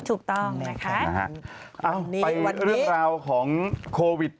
ถูกต้องนะคะอันนี้วันนี้ไปเรื่องราวของโควิด๑๙